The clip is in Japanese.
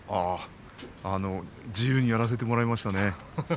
自由にやらせてもらいましたね。